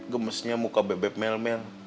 gemesnya muka bebek melmel